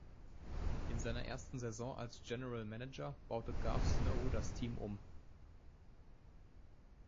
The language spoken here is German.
In seiner ersten Saison als General Manager baute Garth Snow das Team um.